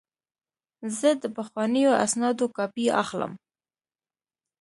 زه د پخوانیو اسنادو کاپي اخلم.